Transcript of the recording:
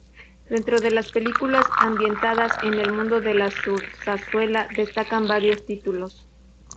Dentro de las películas ambientadas en el mundo de la zarzuela destacan varios títulos.